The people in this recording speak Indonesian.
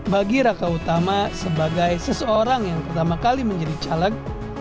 bagi raka utama sebagai seseorang yang pertama kali menjadi caleg